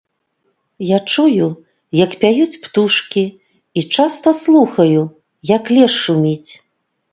Я чую, як пяюць птушкі, і часта слухаю, як лес шуміць.